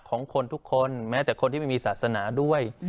ของคนทุกคนแม้แต่คนที่ไม่มีศาสนาด้วย